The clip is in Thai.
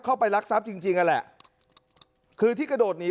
เข้าไปรักทรัพย์จริงจริงนั่นแหละคือที่กระโดดหนี